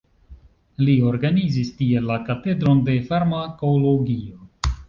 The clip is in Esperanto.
Li organizis tie la katedron de farmakologio.